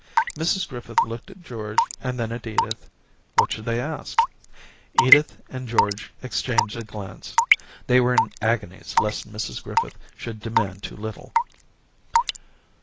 Mrs Griffith looked at George and then at Edith. What should they ask ? Edith and George exchanged a glance ; they were in agonies lest Mrs Griffith should demand too little.